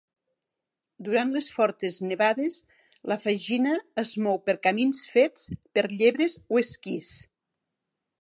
Durant les fortes nevades, la fagina es mou per camins fets per llebres o esquís.